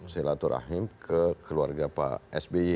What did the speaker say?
silaturahim ke keluarga pak sby